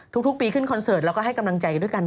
ทุกปีขึ้นคอนเสิร์ตแล้วก็ให้กำลังใจด้วยกัน